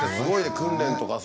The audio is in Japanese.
訓練とかさ。